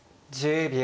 １０秒。